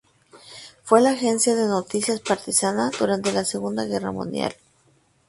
Fue la agencia de noticias partisana durante la Segunda Guerra Mundial.